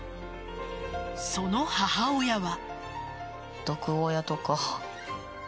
その母親は。